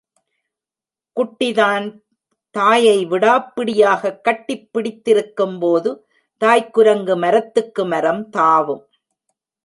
குட்டிதான் தாயை விடாப் பிடியாகக் கட்டிப் பிடித்திருக்கும் போது தாய்க் குரங்கு மரத்துக்கு மரம் தாவும்.